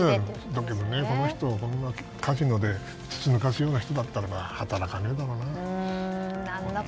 だけどこの人、カジノでつつを抜かすような人だったら働かないだろうな。